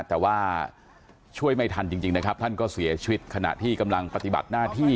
แต่ว่าช่วยไม่ทันจริงนะครับท่านก็เสียชีวิตขณะที่กำลังปฏิบัติหน้าที่